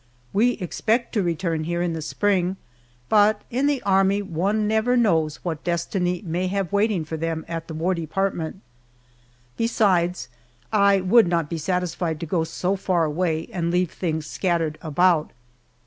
We expect to return here in the spring, but in the Army one never knows what destiny may have waiting for them at the War Department. Besides, I would not be satisfied to go so far away and leave things scattered about.